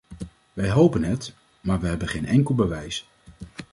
Wij hopen het, maar we hebben geen enkel bewijs.